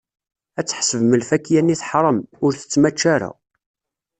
Ad tḥesbem lfakya-nni teḥṛem, ur tettmačča ara.